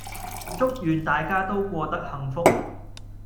祝願大家都過得幸福